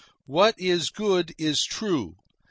What is good is true.